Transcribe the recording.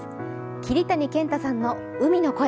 桐谷健太さんの「海の声」。